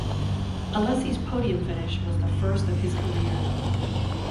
Alesi's podium finish was the first of his career.